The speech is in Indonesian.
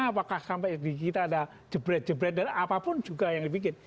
apakah sampai di kita ada jebret jebret dan apapun juga yang dibikin